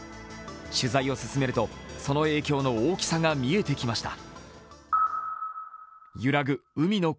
取材を進めると、その影響の大きさがみえてきました。